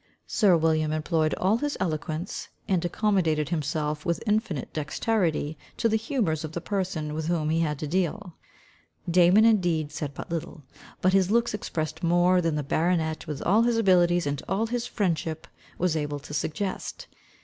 Sir William employed all his eloquence, and accommodated himself with infinite dexterity to the humours of the person with whom he had to deal. Damon indeed said but little, but his looks expressed more, than the baronet, with all his abilities, and all his friendship, was able to suggest.